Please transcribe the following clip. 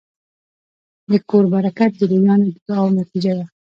د کور برکت د لویانو د دعاوو نتیجه ده.